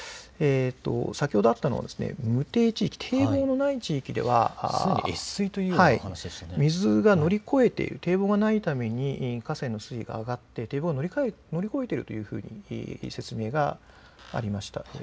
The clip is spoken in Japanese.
先ほどあったのが無堤部、堤防のない地域では水が乗り越えている堤防がないために河川の水位が上がって堤防を乗り越えているという説明がありました。